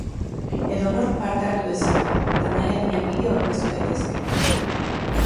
Edonork parte hartu dezake, eta nahi adina bideo aurkeztu daitezke.